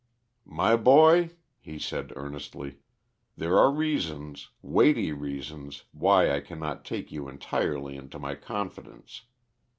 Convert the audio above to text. "My boy," he said, earnestly. "There are reasons, weighty reasons why I cannot take you entirely into my confidence.